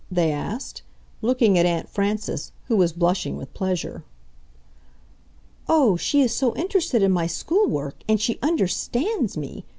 they asked, looking at Aunt Frances, who was blushing with pleasure. "Oh, she is so interested in my school work! And she UNDERSTANDS me!"